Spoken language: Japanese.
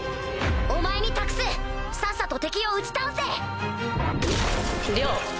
お前に託すさっさと敵を打ち倒せ！了。